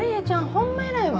ホンマ偉いわ。